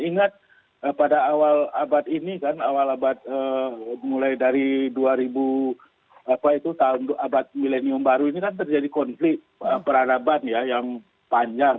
ingat pada awal abad ini kan awal abad mulai dari tahun abad milenium baru ini kan terjadi konflik peradaban ya yang panjang